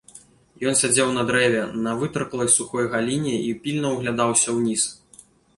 Ён сядзеў на дрэве, на вытырклай сухой галіне і пільна ўглядаўся ўніз.